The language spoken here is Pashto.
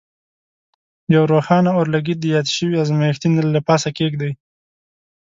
یو روښانه اورلګیت د یاد شوي ازمیښتي نل له پاسه کیږدئ.